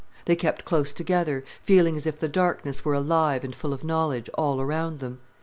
They kept close together, feeling as if the darkness were alive and full of knowledge, all around them.